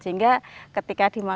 sehingga ketika dibuat